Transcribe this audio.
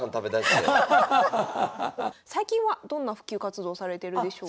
最近はどんな普及活動されてるんでしょうか？